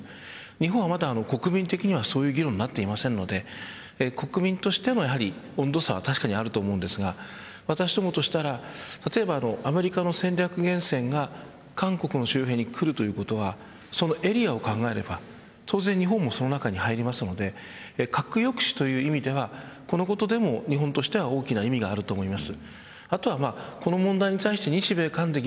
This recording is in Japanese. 日本はまだ、国民的にはそういう議論になっていませんので国民としての温度差は確かにあると思うんですが私どもとしたら例えばアメリカの戦略原潜が韓国の周辺に来るということはそのエリアを考えれば当然日本もその中に入るので核抑止という意味では松山キャスターが単独インタビューをしたのは岸田総理の最側近木原官房副長官です。